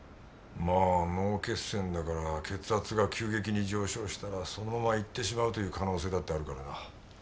まあ脳血栓だから血圧が急激に上昇したらそのまま逝ってしまうという可能性だってあるからな。